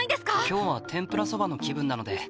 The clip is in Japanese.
今日は天ぷらそばの気分なので。